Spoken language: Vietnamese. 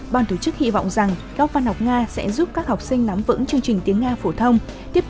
ban tổ chức hy vọng rằng các văn học nga sẽ giúp các học sinh nắm vững chương trình tiếng nga phổ thông tiếp